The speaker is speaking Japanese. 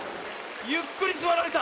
ゆっくりすわられた。